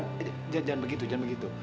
sayang bukan bukan jangan begitu jangan begitu